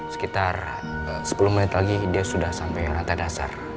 sekitar sepuluh menit lagi dia sudah sampai rantai dasar